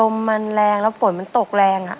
ลมมันแรงแล้วฝนมันตกแรง